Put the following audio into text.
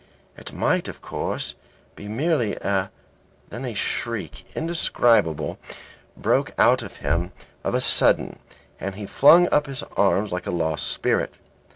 It might of course be merely a " Then a shriek indescribable broke out of him of a sudden, and he flung up his arms like a lost spirit.